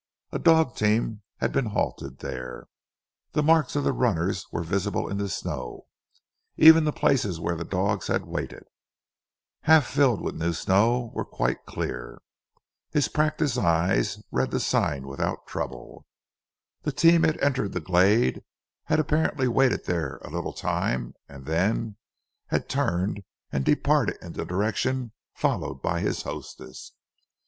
A dog team had been halted there. The marks of the runners were visible in the snow, even the places where the dogs had waited, half filled with new snow, were quite clear. His practised eyes read the signs without trouble. The team had entered the glade, had apparently waited there a little time, and then had turned and departed in the direction followed by his hostess.